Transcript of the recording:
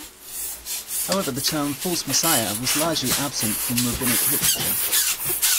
However the term "false messiah" was largely absent from rabbinic literature.